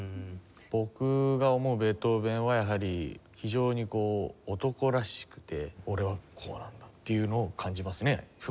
僕が思うベートーヴェンはやはり非常にこう男らしくて「俺はこうなんだ」っていうのを感じますね。